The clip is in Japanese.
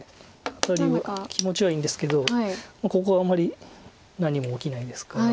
アタリは気持ちはいいんですけどここがあんまり何も起きないですから。